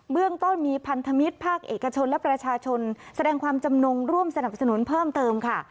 เรื่องต้นมีพันธมิตรภาคเอกชนและประชาชนแสดงความจำนงร่วมสนับสนุนเพิ่มเติมค่ะ